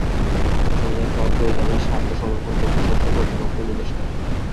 একই সঙ্গে প্লট গ্রহীতাদের স্বার্থ সংরক্ষণ করতে সংশ্লিষ্ট কর্তৃপক্ষকে নির্দেশ দেন।